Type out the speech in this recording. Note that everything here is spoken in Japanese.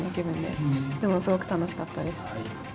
でもすごく楽しかったです。